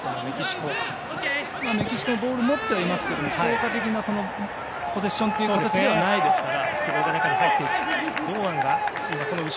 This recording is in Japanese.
メキシコはボールを持ってはいますけれども効果的なポゼッションという形ではないですから。